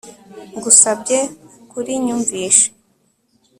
ngusabye kurinyumvisha